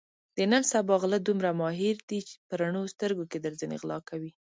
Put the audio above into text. د نن سبا غله دومره ماهر دي په رڼو سترګو کې درځنې غلا کوي.